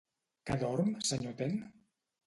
Que dorm, senyor Ten?